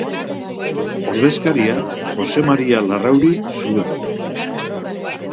Ordezkaria Jose Maria Larrauri zuen.